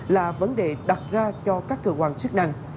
là vấn đề đặt ra cho các cơ quan chức năng